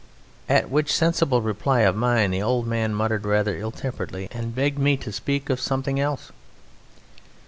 At which sensible reply of mine the old man muttered rather ill temperedly, and begged me to speak of something else.